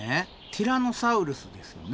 ティラノサウルスですよね。